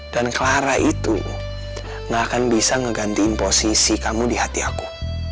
dan clara itu gak akan bisa ngegantiin posisi kamu di hati aku